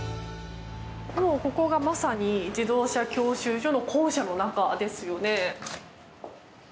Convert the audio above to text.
ここがまさに自動車教習所の校舎の中ですよね。